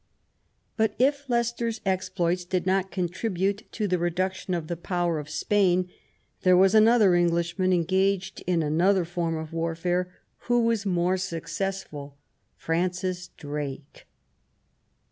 But if Leicester's exploits did not contribute to the reduction of the power of Spain, there was another Englishman engaged in another form of warfare who was more successful, Francis Drake.